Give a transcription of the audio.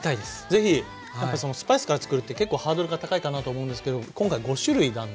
ぜひ！やっぱスパイスからつくるって結構ハードルが高いかなと思うんですけど今回５種類なんで。